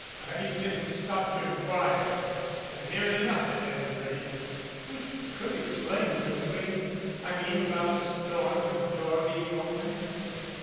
"I didn't stop to inquire. They're near enough, at any rate." "We could explain, couldn't we I mean about the storm and the door being open?"